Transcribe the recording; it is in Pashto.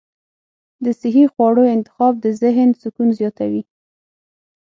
د صحي خواړو انتخاب د ذهن سکون زیاتوي.